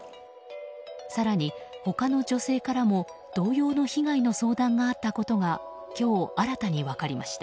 更に、他の女性からも同様の被害の相談があったことが今日、新たに分かりました。